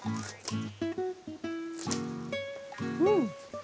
うん。